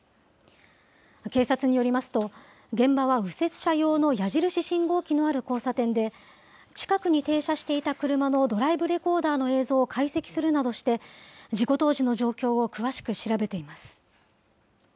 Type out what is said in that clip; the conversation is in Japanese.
警察によりますと、現場は右折車用の矢印信号機のある交差点で、近くに停車していた車のドライブレコーダーの映像を解析するなどして、事故当時の状況を詳しく調べています。